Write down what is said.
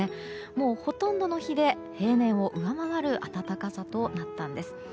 もうほとんどの日で平年を上回る暖かさとなったんです。